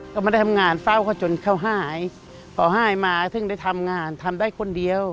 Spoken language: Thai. ก็ไม่ได้ทำงานเฝ้าเขาจนเขาหายพอหายมาซึ่งได้ทำงานทำได้คนเดียว